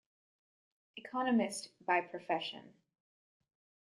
Economist by profession.